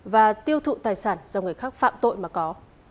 và tiêu thụ tài sản do người khác phạm tội mà có